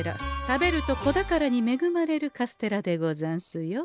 食べると子宝にめぐまれるカステラでござんすよ。